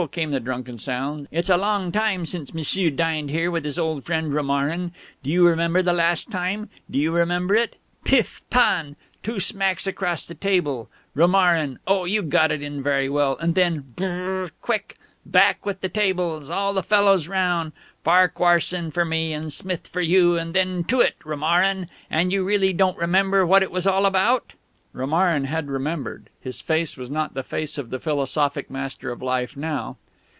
came the drunken sounds. "It's a long time since M'sieu dined here with his old friend Romarin! Do you remember the last time? Do you remember it? Pif, pan! Two smacks across the table, Romarin oh, you got it in very well! and then, brrrrr! quick! Back with the tables all the fellows round Farquharson for me and Smith for you, and then to it, Romarin!... And you really don't remember what it was all about?..." Romarin had remembered. His face was not the face of the philosophic master of Life now.